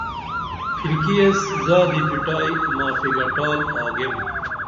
پِھرکی ایس زادی پِٹائی معافی گھٹال آگیم